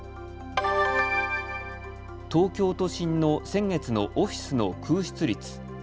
東京都心の先月のオフィスの空室率。